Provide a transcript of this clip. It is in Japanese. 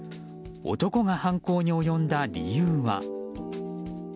男が犯行に及んだ理由は。